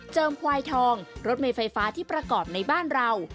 เจิมควายทองรถไหมไฟฟ้าที่ประกอบในบ้านเรา